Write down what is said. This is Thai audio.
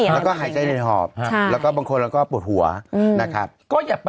แล้วก็หายใจในหอบแล้วก็บางคนปวดหัวนะครับ